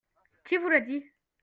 Qui vous l'a dit ?